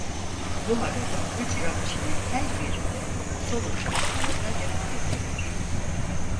Bu arada üç rapçinin her biri de solo çalışmalarına devam ettiler.